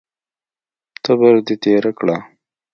تبر دې تېره کړه!